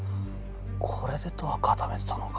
これでドア固めてたのか。